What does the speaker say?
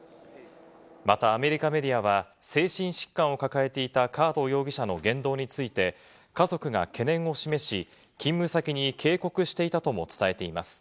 またアメリカメディアは、精神疾患を抱えていたカード容疑者の言動について、家族が懸念を示し、勤務先に警告していたとも伝えています。